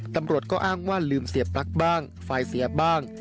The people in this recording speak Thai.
ตำรวจก็อ้างว่าลืมเสียปลั๊กบ้างไฟเสียบ้าง